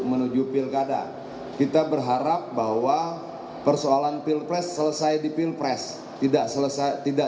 menuju pilkada kita berharap bahwa persoalan pilpres selesai di pilpres tidak selesai tidak